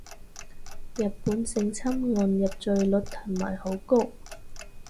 日本性侵案入罪率係咪好高